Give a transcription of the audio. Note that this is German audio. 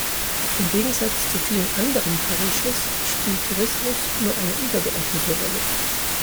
Im Gegensatz zu vielen anderen Parishes spielt Tourismus nur eine untergeordnete Rolle.